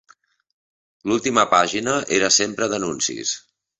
L'última pàgina era sempre d'anuncis.